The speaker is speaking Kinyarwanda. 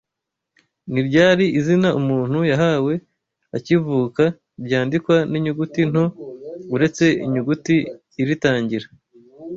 Ni ryari izina umuntu yahawe akivuka ryandikwa n’inyuguti nto uretse inyuguti iritangira